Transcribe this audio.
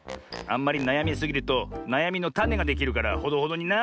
あんまりなやみすぎるとなやみのタネができるからほどほどにな。